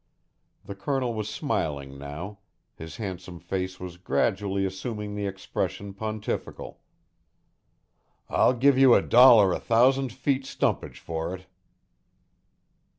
The Colonel was smiling now; his handsome face was gradually assuming the expression pontifical. "I'll give you a dollar a thousand feet stumpage for it."